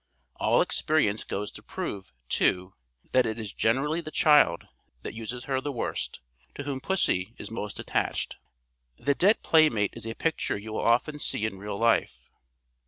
All experience goes to prove, too, that it is generally the child that uses her the worst, to whom pussy is most attached. The 'dead playmate' is a picture you will often see in real life.